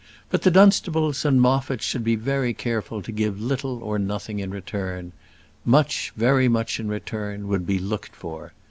But the Dunstables and Moffats should be very careful to give little or nothing in return. Much, very much in return, would be looked for.